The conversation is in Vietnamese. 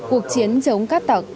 cuộc chiến chống cát tạc